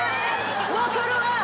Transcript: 分かるわ。